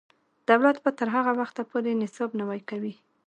دولت به تر هغه وخته پورې نصاب نوی کوي.